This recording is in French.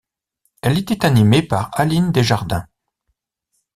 Elle était animée par Aline Desjardins.